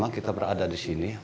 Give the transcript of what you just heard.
kita berada di sini